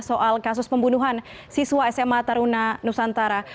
soal kasus pembunuhan siswa sma taruna nusantara